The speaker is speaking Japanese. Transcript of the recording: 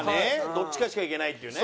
どっちかしか行けないっていうね。